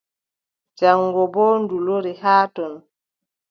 Jaŋgo boo ndu lori haa ton.